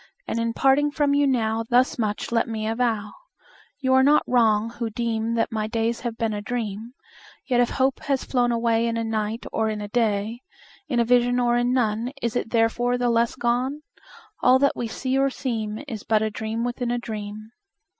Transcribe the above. And, in parting from you now, Thus much let me avow You are not wrong, who deem That my days have been a dream: Yet if hope has flown away In a night, or in a day, In a vision or in none, Is it therefore the less gone? All that we see or seem Is but a dream within a dream.